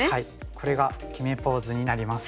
これが決めポーズになります。